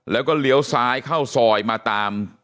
แล้วก็เลี้ยวซ้ายเข้าซอยมาตาม